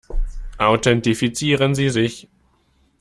Authentifizieren Sie sich!